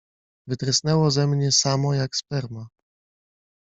Wytrysnęło ze mnie samo, jak sperma.